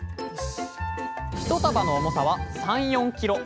１束の重さは３４ｋｇ。